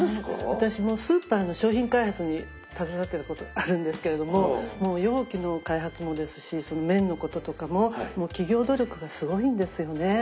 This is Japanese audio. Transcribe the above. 私もスーパーの商品開発に携わっていたことあるんですけれどももう容器の開発もですしその麺のこととかももう企業努力がすごいんですよね。